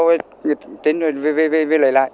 đến rồi về về về về lại